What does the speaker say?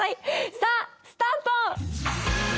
さあスタート！